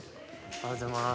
おはようございます。